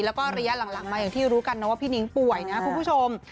แล้วก็ระยะหลังมาอย่างที่รู้กันนะว่าพี่นิ้งป่วยนะคุณผู้ชม